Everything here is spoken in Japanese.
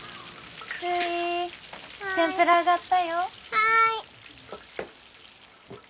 はい！